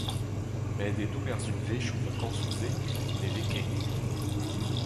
Met e-doug ar sizhunvezhioù vakañsoù-se ne vez ket.